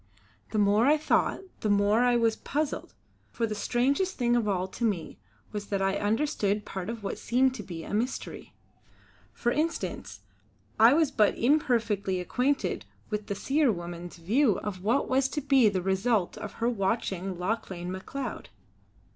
The more I thought, the more I was puzzled; for the strangest thing of all to me was that I understood part of what seemed to be a mystery. For instance I was but imperfectly acquainted with the Seer woman's view of what was to be the result of her watching of Lauchlane Macleod.